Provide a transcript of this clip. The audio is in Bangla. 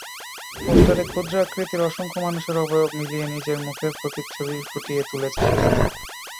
পোস্টারে ক্ষুদ্রাকৃতির অসংখ্য মানুষের অবয়ব মিলিয়ে নিজের মুখের প্রতিচ্ছবি ফুটিয়ে তুলেছেন তিনি।